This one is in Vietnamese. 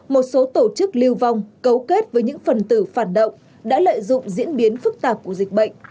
một số tổ chức lưu vong cấu kết với những phần tử phản động đã lợi dụng diễn biến phức tạp của dịch bệnh